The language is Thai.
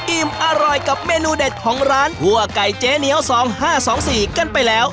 อิ่มอร่อยกับเมนูเด็ดของร้านทั่วไก่เจ๊เหนียว๒๕๒๔กันไปแล้ว